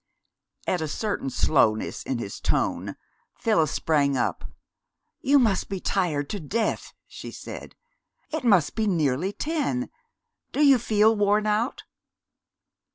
At a certain slowness in his tone, Phyllis sprang up. "You must be tired to death!" she said. "It must be nearly ten. Do you feel worn out?"